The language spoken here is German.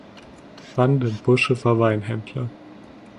Van Den Bussche war Weinhändler.